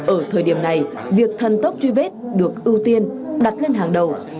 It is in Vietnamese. ở thời điểm này việc thần tốc truy vết được ưu tiên đặt lên hàng đầu